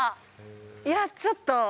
いやー、ちょっと。